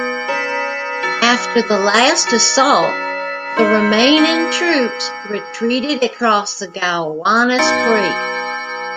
After the last assault the remaining troops retreated across the Gowanus Creek.